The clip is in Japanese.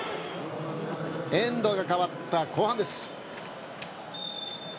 エンドが変わった後半です。